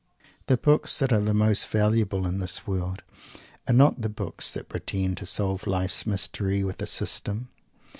The books that are the most valuable in this world are not the books that pretend to solve life's mystery with a system.